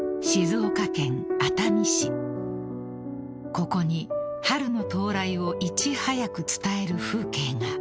［ここに春の到来をいち早く伝える風景が］